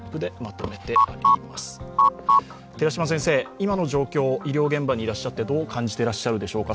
今の状況、医療現場にいらっしゃってどう感じていらっしゃるでしょうか。